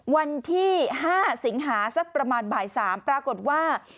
วันที่๕สิงหาสักประมาณบ่าย๓ปรากฏว่า